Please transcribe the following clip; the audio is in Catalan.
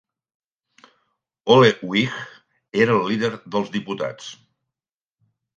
Ole Wiig era el líder dels diputats.